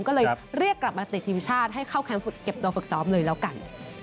ก็เลยเรียกกลับมาติดทีมชาติให้เข้าแคมป์เก็บตัวฝึกซ้อมเลยแล้วกัน